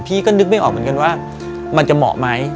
ก็นึกไม่ออกเหมือนกันว่ามันจะเหมาะไหม